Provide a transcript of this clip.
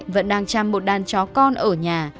vẫn đang chăm một đàn chó con ở nhà